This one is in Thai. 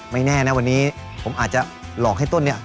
แน่นะวันนี้ผมอาจจะหลอกให้ต้นเนี่ย